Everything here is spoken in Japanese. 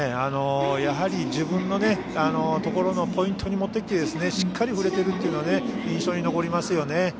自分のところのポイントに持ってきてしっかり振れているというのが印象の残りますよね。